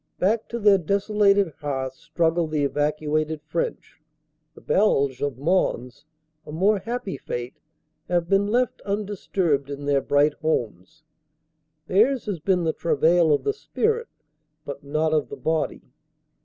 Back to their desolated hearths struggle the evacuated French ; the Beiges of Mons, a more happy fate, have been left undisturbed in their bright homes theirs has been the travail of the spirit but not of the body.